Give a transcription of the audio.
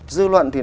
dư luận thì nói